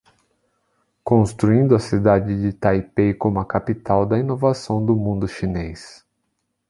Construindo a cidade de Taipei como a capital da inovação do mundo chinês